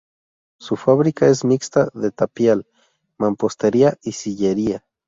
Su fabrica es mixta, de tapial, mampostería y sillería.